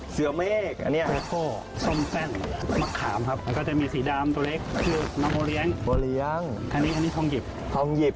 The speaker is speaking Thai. เสื้อเมกแคโต้ส้มแป้งมะขามครับแล้วก็จะมีสีดำตัวเล็กคือโมเลี้ยงอันนี้ทองหยิบ